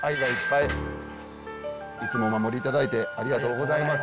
いつもお守りいただいてありがとうございます。